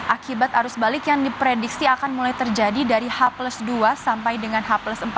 akibat arus balik yang diprediksi akan mulai terjadi dari h dua sampai dengan h empat